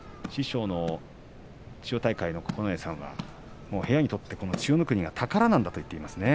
千代大海の九重さんは部屋にとって千代の国は宝なんだと言っています。